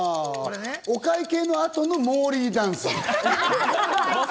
お会計の後のモーリーダンス。